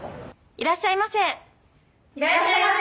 いらっしゃいませ。